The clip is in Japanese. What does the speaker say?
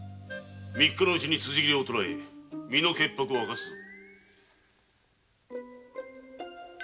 三日のうちに辻斬りを捕え身の潔白をあかすぞ。